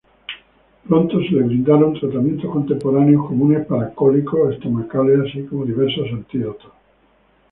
Pronto se le brindaron tratamientos contemporáneos comunes para cólicos estomacales así como diversos antídotos.